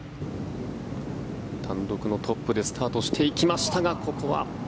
単独のトップでスタートしていきましたがここは。